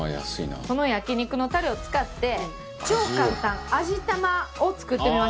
この焼肉のたれを使って超簡単味玉を作ってみましょう。